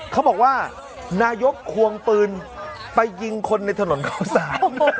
เขาบอกว่านายกควงปืนไปยิงคนในถนนเข้าสาร